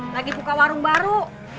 lagi buka warung baru